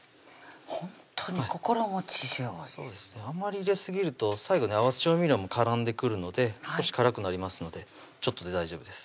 ほんとにこころもちしょうゆあんまり入れすぎると最後に合わせ調味料も絡んでくるので少し辛くなりますのでちょっとで大丈夫です